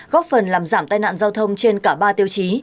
góp phần làm giảm tai nạn giao thông trên cả ba tiêu chí